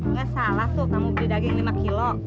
nggak salah tuh kamu beli daging lima kilo